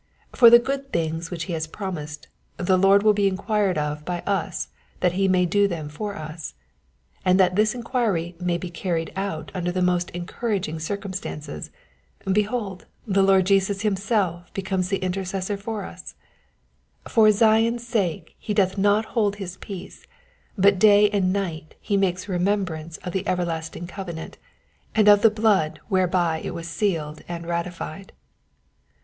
'* For the good things which he has promised, the Lord will be inquired of by us that he may do them for us ; and that this inquiry may be carried out under the most encouraging circum stances, behold the Lord Jesus himself becomes the Intercessor for us ; for Zion's sake he doth not hold his peace, but day and night he makes remembrance of the everlasting covenant, and of the blood whereby it was sealed and ratified.